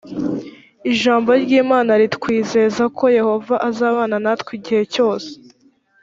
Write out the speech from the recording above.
ijambo ry imana ritwizeza ko yehova azabana natwe igihe cyose.